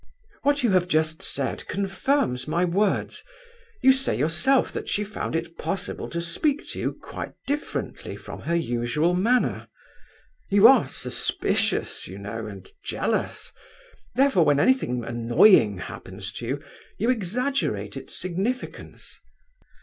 What you have just said confirms my words. You say yourself that she found it possible to speak to you quite differently from her usual manner. You are suspicious, you know, and jealous, therefore when anything annoying happens to you, you exaggerate its significance.